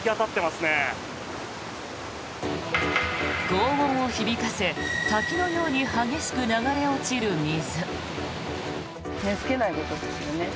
ごう音を響かせ滝のように激しく流れ落ちる水。